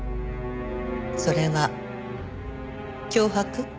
それは脅迫？